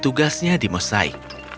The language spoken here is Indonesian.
tugasnya di musaik